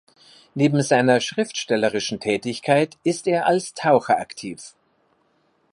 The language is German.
Neben seiner schriftstellerischen Tätigkeit ist er als Taucher aktiv.